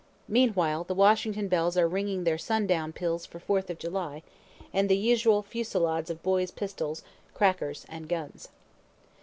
Meanwhile the Washington bells are ringing their sun down peals for Fourth of July, and the usual fusilades of boys' pistols, crackers, and guns.